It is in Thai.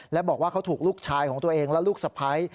และบอกว่าเขาถูกลูกชายของตัวเองและลูกสะพ้าย